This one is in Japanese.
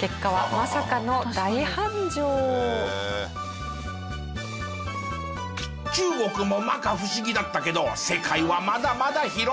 結果はまさかの中国も摩訶不思議だったけど世界はまだまだ広い！